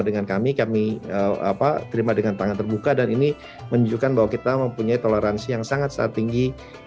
dengan kami kami terima dengan tangan terbuka dan ini menunjukkan bahwa kita mempunyai toleransi yang sangat sangat tinggi